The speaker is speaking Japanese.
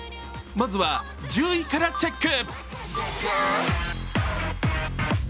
まずは１０位からチェック。